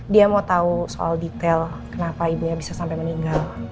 dia mau tahu soal detail kenapa ibunya bisa sampai meninggal